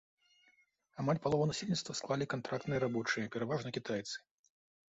Амаль палову насельніцтва склалі кантрактныя рабочыя, пераважна кітайцы.